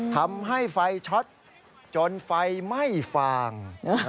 ทำให้ไฟช็อตจนไฟไหม้ฟาง